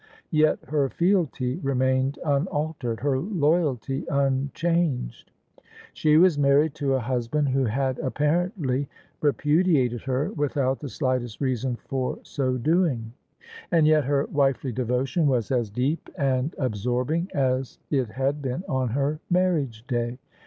Yet her fealty remained un altered, her loyalty unchanged. She was married to a hus band who had apparently repudiated her without the slight est reason for so doing; and yet her wifely devotion was as THE SUBJECTION deep and absorbing as it had been on her marriage day.